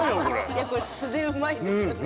いやこれ素でうまいんですよね。